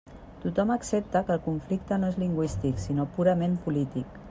Tothom accepta que el conflicte no és lingüístic sinó purament polític.